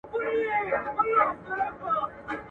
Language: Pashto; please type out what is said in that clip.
د کمال خان بند په نیمروز کي جوړ سوی دی.